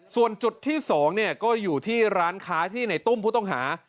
ส่วนจุดที่๒ก็อยู่ที่ร้านค้าที่ในตุ้มผู้ต้องหา